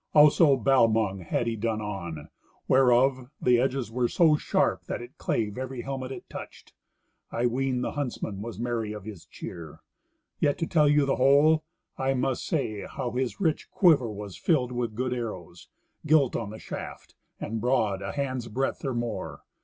Also Balmung had he done on, whereof the edges were so sharp that it clave every helmet it touched. I ween the huntsman was merry of his cheer. Yet, to tell you the whole, I must say how his rich quiver was filled with good arrows, gilt on the shaft, and broad a hand's breadth or more.